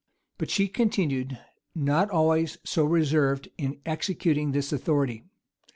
[] But she continued not always so reserved in executing this authority.